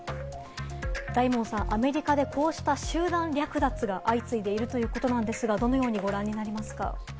大門さん、アメリカでこうした集団略奪が相次いでいるということなんですが、どのようにご覧になりますか？